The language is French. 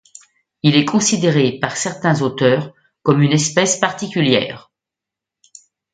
Il est considéré par certains auteurs comme une espèce particulière.